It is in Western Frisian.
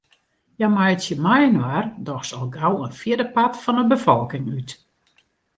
Hja meitsje mei-inoar dochs al gau in fjirdepart fan 'e befolking út.